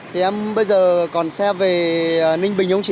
thì em bây giờ còn xe về ninh bình không chị